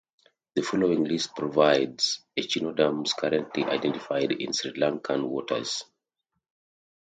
The following list provides echinoderms currently identified in Sri Lankan waters.